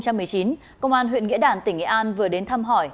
công an huyện nghĩa đản tỉnh nghệ an vừa đến thăm hỏi